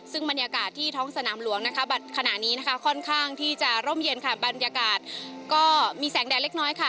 ซึ่งบรรยากาศที่ท้องสนามหลวงนะคะบัตรขณะนี้นะคะค่อนข้างที่จะร่มเย็นค่ะบรรยากาศก็มีแสงแดดเล็กน้อยค่ะ